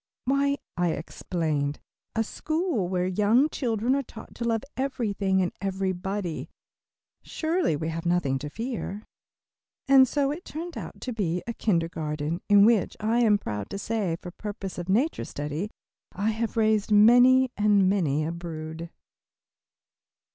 "Why," I explained, "a school where young children are taught to love everything and everybody. Surely we have nothing to fear." And so it turned out to be, a kindergarten, in which, I am proud to say, for purposes of nature study, I have raised many and many a brood.